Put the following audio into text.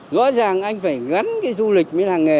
rõ ràng anh phải gắn cái du lịch với làng nghề